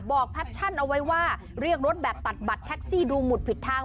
แคปชั่นเอาไว้ว่าเรียกรถแบบตัดบัตรแท็กซี่ดูหมุดผิดทาง